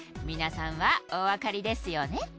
皆さんはおわかりですよね？